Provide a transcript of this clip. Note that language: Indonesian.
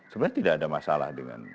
sebenarnya tidak ada masalah dengan